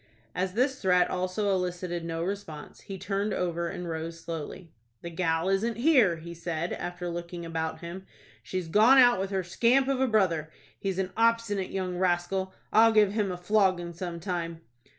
As this threat also elicited no response, he turned over and rose slowly. "The gal isn't here," he said, after looking about him. "She's gone out with her scamp of a brother. He's an obstinate young rascal. I'll give him a flogging some time."